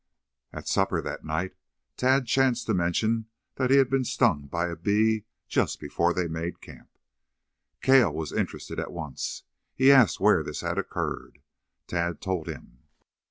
At supper that night Tad chanced to mention that he had been stung by a bee just before they made camp. Cale was interested at once. He asked where this had occurred. Tad told him.